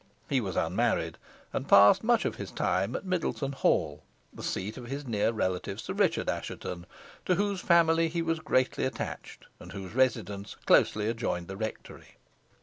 He was unmarried, and passed much of his time at Middleton Hall, the seat of his near relative Sir Richard Assheton, to whose family he was greatly attached, and whose residence closely adjoined the rectory.